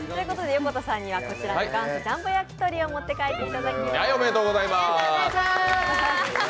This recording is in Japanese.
横田さんにはこちらの元祖ジャンボ焼き鳥を持って帰っていただきます。